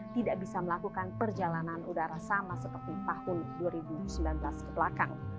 tidak bisa melakukan perjalanan udara sama seperti tahun dua ribu sembilan belas kebelakang